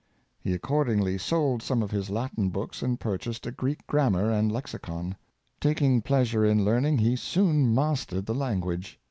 He accordingly sold some of his Latin books and purchased a Greek Grammar and Lexicon. Taking pleasure in learning, he soon mas tered the language.